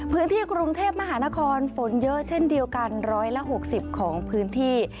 พื้นที่กรุงเทพมหานครฝนเยอะเช่นเดียวกัน๑๖๐ของพื้นที่